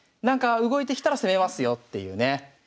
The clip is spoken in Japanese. なんか動いてきたら攻めますよっていうね。